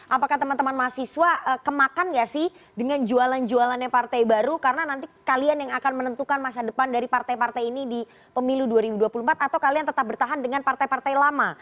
apakah teman teman mahasiswa kemakan nggak sih dengan jualan jualannya partai baru karena nanti kalian yang akan menentukan masa depan dari partai partai ini di pemilu dua ribu dua puluh empat atau kalian tetap bertahan dengan partai partai lama